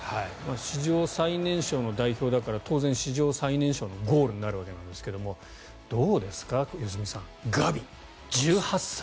史上最年少の代表だから当然、史上最年少のゴールになるわけなんですがどうですか、良純さんガビ、１８歳。